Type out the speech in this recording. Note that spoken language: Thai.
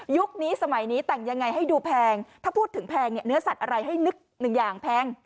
นี้สมัยนี้แต่งยังไงให้ดูแพงถ้าพูดถึงแพงเนี่ยเนื้อสัตว์อะไรให้นึกหนึ่งอย่างแพง